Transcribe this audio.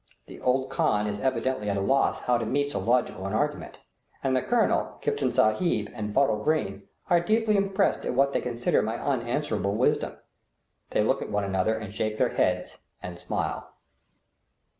The old khan is evidently at a loss how to meet so logical an argument, and the colonel, Kiftan Sahib, and Bottle Green are deeply impressed at what they consider my unanswerable wisdom. They look at one another and shake their heads and smile.